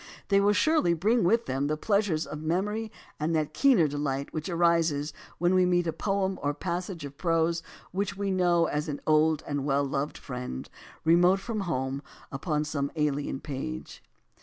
They will surely bring with them the pleasures of memory and that keener delight which arises when we meet a poem or a passage of prose which we know as an old and well loved friend, remote from home, upon some alien page.